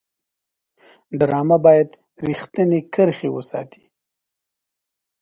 ډرامه باید رښتینې کرښې وساتي